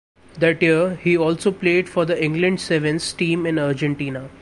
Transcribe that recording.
That year he also played for the England Sevens team in Argentina.